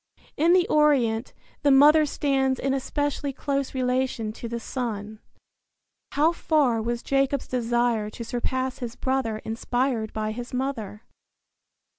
In the Orient the mother stands in especially close relation to the son. How far was Jacob's desire to surpass his brother inspired by his mother?